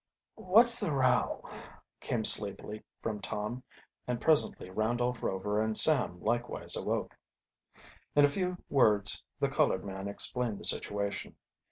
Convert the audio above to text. "What's the row?" came sleepily from Tom, and presently Randolph Rover and Sam likewise awoke. In a few words the colored man explained the situation.